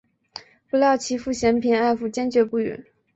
不料其父嫌贫爱富坚决不允。